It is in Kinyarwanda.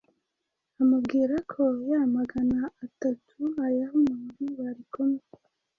amubwira ko ya Magana atatu ayaha umuntu barikumwe